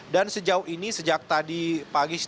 dan sejauh ini sejak tadi pagi